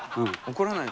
怒らない。